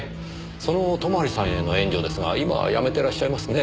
その泊さんへの援助ですが今はやめてらっしゃいますね？